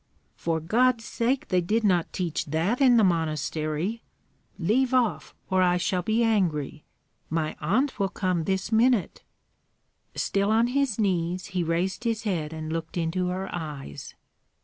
"For God's sake! they did not teach that in the monastery. Leave off, or I shall be angry my aunt will come this minute " Still on his knees, he raised his head and looked into her eyes.